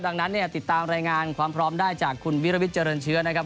ดังนั้นเนี่ยติดตามรายงานความพร้อมได้จากคุณวิรวิทย์เจริญเชื้อนะครับ